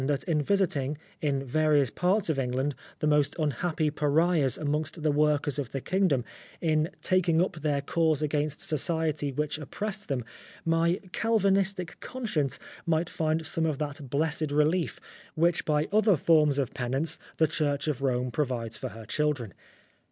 that in visiting, in various parts of England, the most unhappy Pariahs amongst the Workers of the Kingdom, in taking up their cause against Society which oppressed them, my Calvinistic conscience might find some of that blessed relief which by other forms of penance the Church of Rome provides for her children.